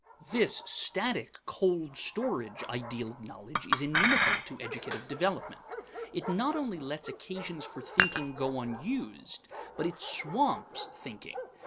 This static, cold storage ideal of knowledge is inimical to educative development. It not only lets occasions for thinking go unused, but it swamps thinking.